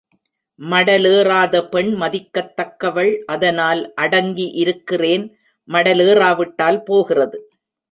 மடலேறாத பெண் மதிக்கத் தக்கவள் அதனால் அடங்கி இருக்கிறேன்! மடல் ஏறாவிட்டால் போகிறது.